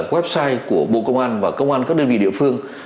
website của bộ công an và công an các đơn vị địa phương